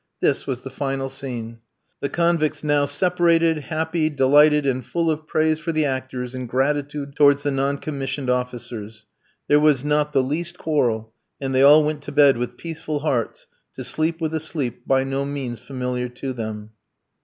This was the final scene. The convicts now separated, happy, delighted, and full of praise for the actors and gratitude towards the non commissioned officers. There was not the least quarrel, and they all went to bed with peaceful hearts, to sleep with a sleep by no means familiar to them.